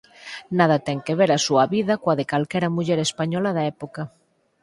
Nada ten que ver a súa vida coa de calquera muller española da época.